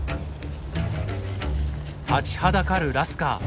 立ちはだかるラスカー。